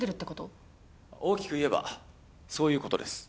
大きく言えばそういう事です。